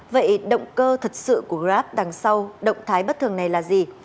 vậy động cơ thật sự của grab đằng sau động thái bất thường này là gì